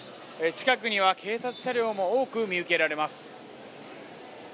近くには警察車両も多く見受けられます。